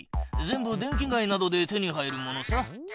全部電気街などで手に入るものさ。